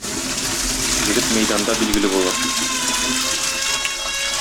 Егет мәйданда билгеле булыр.